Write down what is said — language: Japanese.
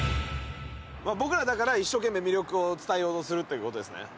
僕らだから一生懸命魅力を伝えようとするっていう事ですね。